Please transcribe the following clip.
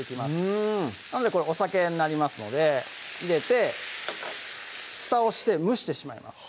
うんこれお酒になりますので入れてふたをして蒸してしまいます